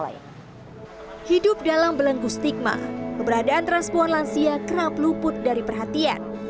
hidup dalam belenggu stigma keberadaan transpuan lansia kerap luput dari perhatian